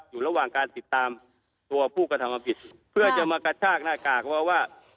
อยู่ระหว่างการติดตามตัวผู้กระทำความผิดเพื่อจะมากระชากหน้ากากเพราะว่า